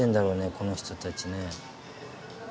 この人たちね。